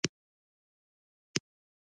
د اسمان لپاره ستوري اړین دي